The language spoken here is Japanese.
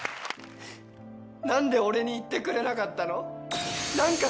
何で俺に言ってくれなかったの？